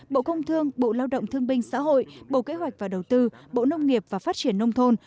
bộ công thương bộ lao động thương binh xã hội bộ kế hoạch và đầu tư bộ nông nghiệp và phát triển nông thôn